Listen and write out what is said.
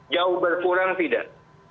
jauh berkurang tidak